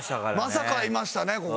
まさかいましたね